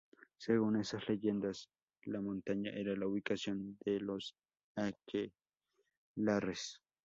Según esas leyendas, la montaña era la ubicación de los aquelarres.